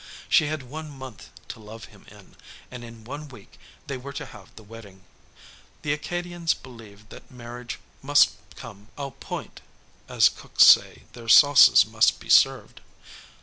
She had one month to love him in, and in one week they were to have the wedding. The Acadians believe that marriage must come au point, as cooks say their sauces must be served.